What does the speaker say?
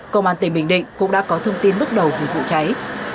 công an tỉnh bình định cũng đã có thông tin bước đầu về vụ cháy